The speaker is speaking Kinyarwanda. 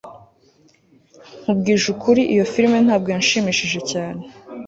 nkubwije ukuri, iyo film ntabwo yanshimishije cyane